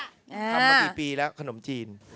ทำมากี่ปีแล้วขนมจีน